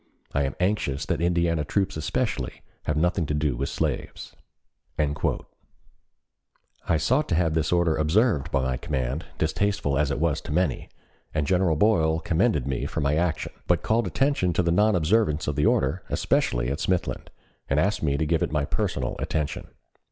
I am anxious that Indiana troops especially have nothing to do with slaves." I sought to have this order observed by my command, distasteful as it was to many, and General Boyle commended me for my action, but called attention to the non observance of the order, especially at Smithland, and asked me to give it my personal attention.